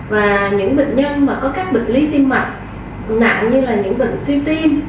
và những bệnh nhân mà có các bệnh lý tim mạch nặng như là những bệnh suy tim